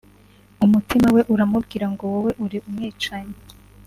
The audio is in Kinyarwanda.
umutima we uramubwira ngo wowe uri umwicanyi